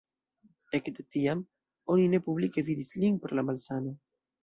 Ekde tiam oni ne publike vidis lin pro la malsano.